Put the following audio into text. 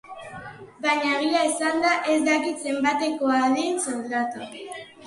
Baina, egia esanda, ez dakit zenbatekoa den soldata.